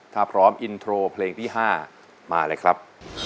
ถ้าพร้อมอินโทรเพลงที่๕มาเลยครับ